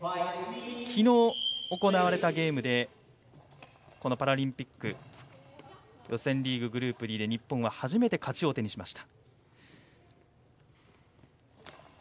昨日行われたゲームでパラリンピック予選リーググループＢで日本は初めて勝ちを手にしました。